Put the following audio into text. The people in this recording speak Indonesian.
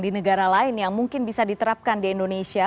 di negara lain yang mungkin bisa diterapkan di indonesia